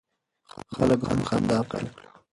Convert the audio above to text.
خلک هم خندا پیل کړه.